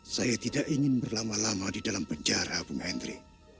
saya tidak ingin berlama lama di dalam penjara bung henry